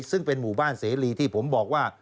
ซึ่งเป็นหมู่บ้านเสรีที่ผมบอกว่า